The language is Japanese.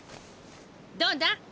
どうだ？